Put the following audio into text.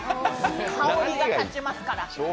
香りが立ちますから。